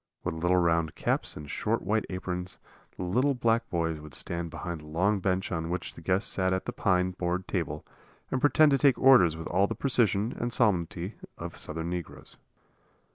With little round caps and short white aprons, the little black boys would stand behind the long bench on which the guests sat at the pine board table and pretend to take orders with all the precision and solemnity of Southern negroes.